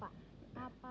oh ya pak